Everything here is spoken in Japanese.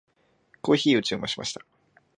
コーヒーを注文しました。